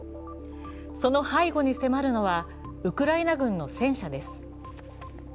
その背後に迫るのはウクライナ軍の戦車です。